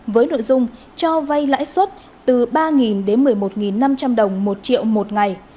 với nội dung cho vay lãi suất từ ba đến một mươi một năm trăm linh đồng một triệu một ngày